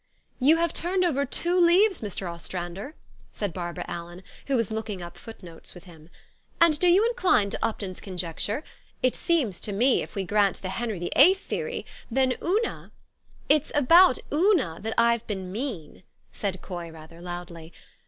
" You have turned over two leaves, Mr. Ostrand er," said Barbara Allen, who was looking up foot notes with him. "And do }^ou incline to Upton's conjecture? It seems to me, if we grant the Henry VIII. theory, then Una " "It's about Una that I've been mean," said Coy rather loudly.